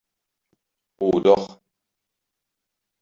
Oh doch!